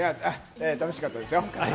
楽しかったですよ。